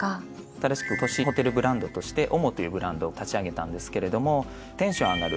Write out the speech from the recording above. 新しく都市ホテルブランドとして「ＯＭＯ」というブランドを立ち上げたんですけれどもテンションあがる